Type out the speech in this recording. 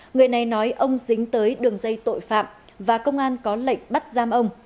người này nói ông dính tới đường dây tội phạm và công an có lệnh bắt giam ông